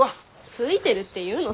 ついてるって言うの？